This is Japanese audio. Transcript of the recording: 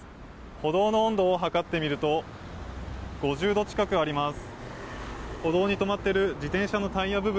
歩道の温度を測ってみると５０度近くあります。